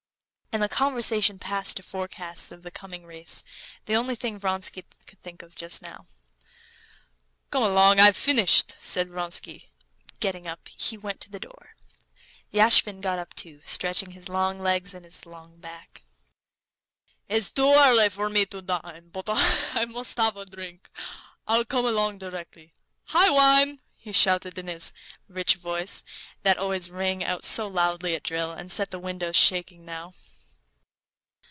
And the conversation passed to forecasts of the coming race, the only thing Vronsky could think of just now. "Come along, I've finished," said Vronsky, and getting up he went to the door. Yashvin got up too, stretching his long legs and his long back. "It's too early for me to dine, but I must have a drink. I'll come along directly. Hi, wine!" he shouted, in his rich voice, that always rang out so loudly at drill, and set the windows shaking now.